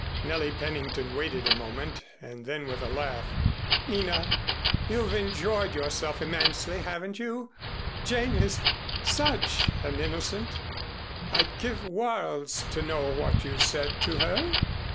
Nellie Pennington waited a moment, and then with a laugh, "Nina, you've enjoyed yourself immensely, haven't you? Jane is such an innocent. I'd give worlds to know what you said to her!"